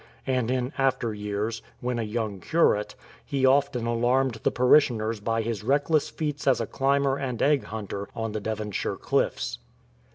And in after years, when a young curate, he often alarmed the parishioners by his reckless feats as a climber and egg hunter on the Devonshire cliffs.